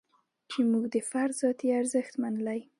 چې موږ د فرد ذاتي ارزښت منلی.